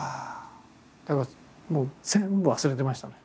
だからもう全部忘れてましたね。